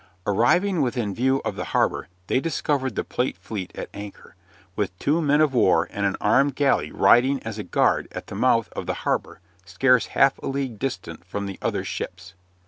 Arriving within view of the harbor they discovered the plate fleet at anchor, with two men of war and an armed galley riding as a guard at the mouth of the harbor, scarce half a league distant from the other ships.